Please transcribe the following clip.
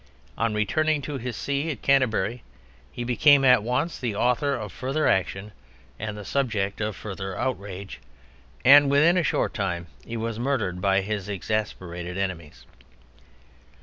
On returning to his See at Canterbury he became at once the author of further action and the subject of further outrage, and within a short time he was murdered by his exasperated enemies.